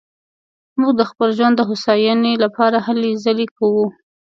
موږ د خپل ژوند د هوساينې لپاره هلې ځلې کوو